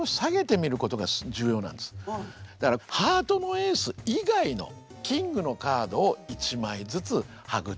だからハートのエース以外のキングのカードを１枚ずつはぐっていくと。